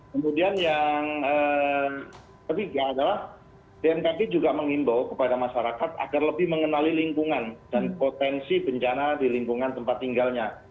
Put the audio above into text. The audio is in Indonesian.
kemudian yang ketiga adalah bnpb juga mengimbau kepada masyarakat agar lebih mengenali lingkungan dan potensi bencana di lingkungan tempat tinggalnya